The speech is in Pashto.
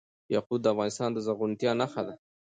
یاقوت د افغانستان د زرغونتیا نښه ده.